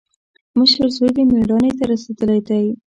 مشر زوی دې مېړانې ته رسېدلی دی.